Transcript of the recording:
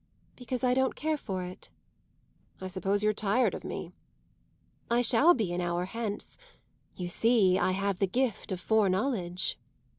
"Because I don't care for it." "I suppose you're tired of me." "I shall be an hour hence. You see I have the gift of foreknowledge."